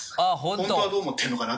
本当はどう思ってるのかな？